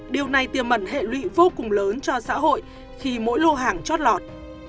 điều này tiềm mẩn hệ lụy vô cùng lớn cho xã hội khi mỗi lô hàng chót lọt